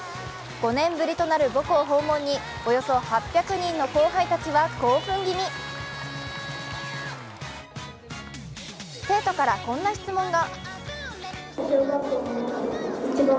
５年ぶりとなる母校訪問におよそ８００人の後輩たちは興奮気味生徒からこんな質問が。